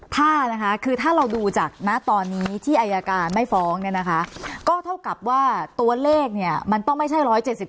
ถ้านะคะคือถ้าเราดูจากณตอนนี้ที่อายการไม่ฟ้องเนี่ยนะคะก็เท่ากับว่าตัวเลขเนี่ยมันต้องไม่ใช่๑๗๒